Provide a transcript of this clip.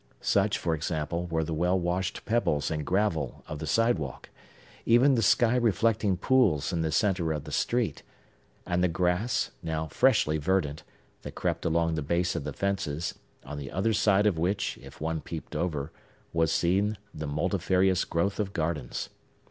Such, for example, were the well washed pebbles and gravel of the sidewalk; even the sky reflecting pools in the centre of the street; and the grass, now freshly verdant, that crept along the base of the fences, on the other side of which, if one peeped over, was seen the multifarious growth of gardens.